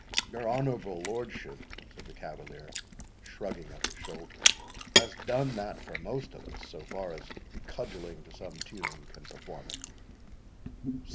"Your honourable lordship," said the cavalier, shrugging up his shoulders, "has done that for most of us, so far as cudgelling to some tune can perform it."